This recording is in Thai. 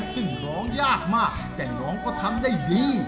ซึ่งร้องยากมากแต่น้องก็ทำได้ดี